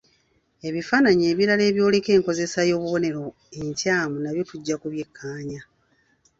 Ebifaananyi ebirala ebyoleka enkozesa y'obubonero enkyamu nabyo tujja kubyekaanya.